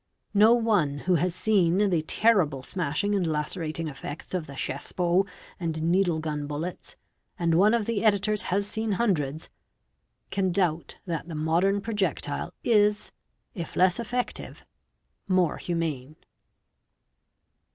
No one who has seen the _ terrible smashing and lacerating effects of the chassepot and needle | gun bullets, and one of the Editors has seen hundreds, can doubt that the ~ modern projectile is, if less effective, more humane.